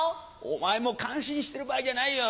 お前も感心してる場合じゃないよ。